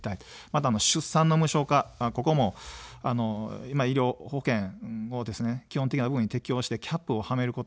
また、出産の無償化、ここも医療保険を基本的に適用してキャップをはめること。